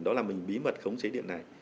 đó là mình bí mật khống chế điện này